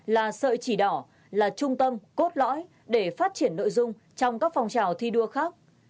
là sợi chỉ đỏ là trung tâm cốt lõi để phát triển nội dung trong các phong trào thi đua khác